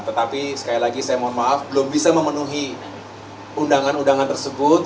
tetapi sekali lagi saya mohon maaf belum bisa memenuhi undangan undangan tersebut